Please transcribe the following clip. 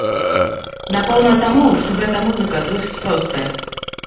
Напэўна, таму, што гэтая музыка досыць простая.